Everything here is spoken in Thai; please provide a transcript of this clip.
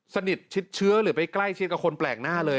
สนิทชิดเชื้อหรือไปใกล้ชิดกับคนแปลกหน้าเลย